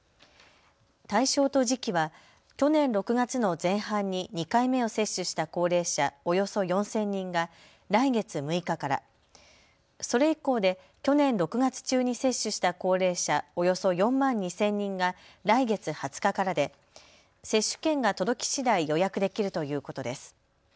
対象と時期は去年６月の前半に２回目を接種した高齢者およそ４０００人が来月６日から、それ以降で去年６月中に接種した高齢者およそ４万２０００人が来月２０日からで接種券が届きしだい予約できるということです。